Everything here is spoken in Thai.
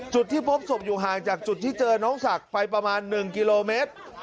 จุดที่พบศพอยู่ห่างจากจุดที่เจอน้องศักดิ์ไปประมาณ๑กิโลเมตร